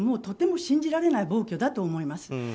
とても信じられない暴挙だと思います。